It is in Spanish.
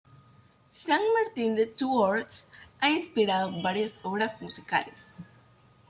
San Martín de Tours ha inspirado varias obras musicales.